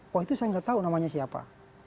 wah itu saya nggak tahu namanya siapa